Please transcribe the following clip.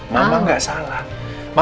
mama enggak salah